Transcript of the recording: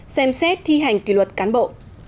xem xét thi hành kỳ luật cán bộ